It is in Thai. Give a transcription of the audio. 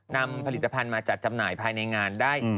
นำผลิตภัณฑ์มาจัดจำหน่ายภายในงานได้